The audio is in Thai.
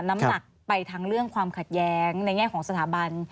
น้ำหนักไปทั้งเรื่องความขัดแย้งในแง่ของสถาบัน